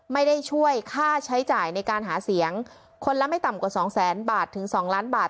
ไม่ได้ช่วยค่าใช้จ่ายในการหาเสียงคนละไม่ต่ำกว่าสองแสนบาทถึงสองล้านบาท